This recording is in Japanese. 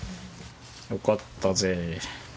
よかったぜ。